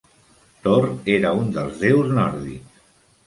Thor era un dels déus nòrdics.